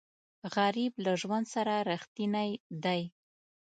غریب له ژوند سره رښتینی دی